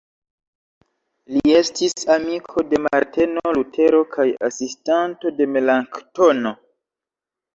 Li estis amiko de Marteno Lutero kaj asistanto de Melanktono.